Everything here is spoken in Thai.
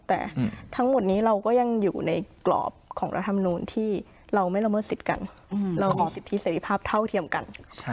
แต่ทั้งหมดนี้เราก็ยังอยู่ในกรอบของรัฐมนูลที่เราไม่ละเมิดสิทธิ์กันเราขอสิทธิเสร็จภาพเท่าเทียมกัน